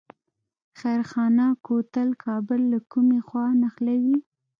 خیرخانه کوتل کابل له کومې خوا نښلوي؟